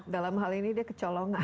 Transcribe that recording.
dalam hal ini dia kecolongan